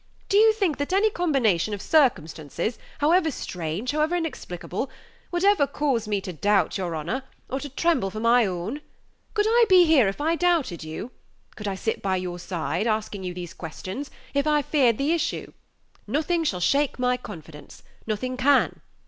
Do you think that any combination of circumstances, however strange, however inexplicable, would ever cause me to doubt your honor, or to tremble for my own? Could I be here if I doubted you? could I sit by your side, asking you these questions, if I feared the issue? Nothing shall shake my confidence nothing can.